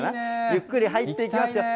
ゆっくり入っていきますよ。